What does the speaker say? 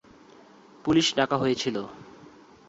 Police ডাকা হয়েছিল।